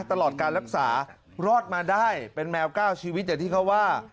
ตลอดการรักษารอดมาได้เป็นแมว๙ชีวิตอย่างที่เขาว่า